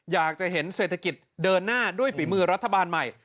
อยากจะเห็นเศรษฐกิจเดินหน้าด้วยฝีมือรัฐบาลใหม่